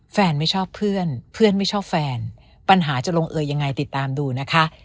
ไม่ชอบเพื่อนเพื่อนไม่ชอบแฟนปัญหาจะลงเอยยังไงติดตามดูนะคะ